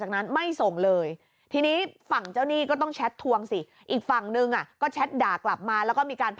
หลังส่งช้า